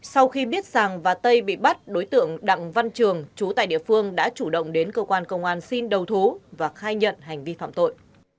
sau khi biết sàng và tây bị bắt đối tượng đặng văn trường chú tại địa phương đã chủ động đến cơ quan công an xin đầu thú và khai nhận hành vi phạm tội